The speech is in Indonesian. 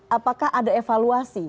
apakah ada evaluasi